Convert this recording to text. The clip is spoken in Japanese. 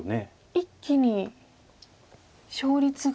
一気に勝率が。